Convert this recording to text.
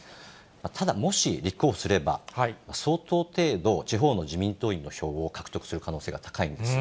ただ、もし立候補すれば、相当程度、地方の自民党員の票を獲得する可能性が高いんです。